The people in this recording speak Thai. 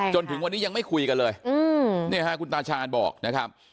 จนถึงวันนี้ยังไม่คุยกันเลยเนี่ยฮะคุณตาชาญบอกนะครับ